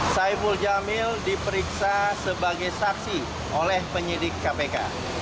saiful jamil diperiksa sebagai saksi oleh penyidik kpk